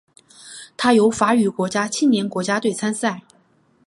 它由法语国家青年国家队参赛。